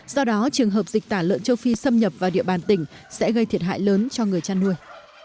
do đó trường hợp dịch tả lợn châu phi xâm nhập vào địa bàn tỉnh sẽ gây thiệt hại lớn cho người chăn nuôi